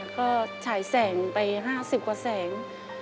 ก็ฉายแสงไป๕๐กว่าแสง